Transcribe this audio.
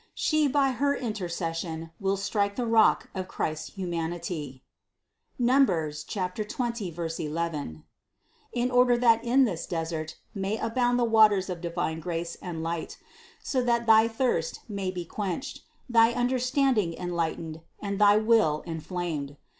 She by her inter cession will strike the rock of Christ's humanity (Num. 20, 11), in order that in this desert may abound the waters of divine grace and light, so that thy thirst may be quenched, thy understanding enlightened, and thy will inflamed.